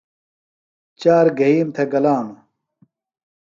چار گھئیم تھےۡ گلانوۡ۔